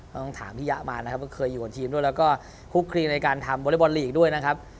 ต้องถามพี่ยะมานะครับว่าเคยอยู่กับทีมด้วยแล้วก็คุกคลีในการทำบอเล็กบอลลีกด้วยนะครับ